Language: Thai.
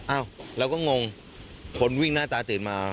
อ้าวเราก็งงคนวิ่งหน้าตาตื่นมา